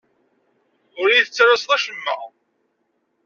Ur yi-tettalaseḍ acemma.